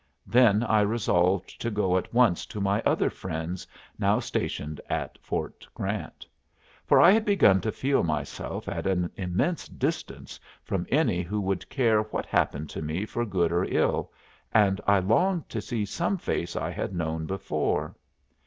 Then I resolved to go at once to my other friends now stationed at Fort Grant. For I had begun to feel myself at an immense distance from any who would care what happened to me for good or ill, and I longed to see some face I had known before.